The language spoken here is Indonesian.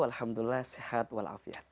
alhamdulillah sehat walafiat